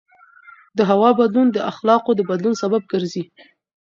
د هوا بدلون د اخلاقو د بدلون سبب ګرځي.